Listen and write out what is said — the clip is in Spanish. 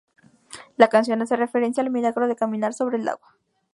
La canción hace referencia al milagro de caminar sobre el agua.